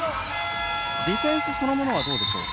ディフェンスそのものはどうでしょうか。